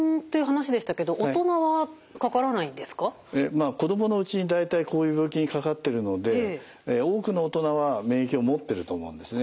まあ子どものうちに大体こういう病気にかかってるので多くの大人は免疫を持ってると思うんですね。